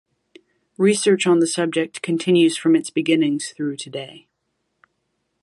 Research on the subject continues from its beginnings through today.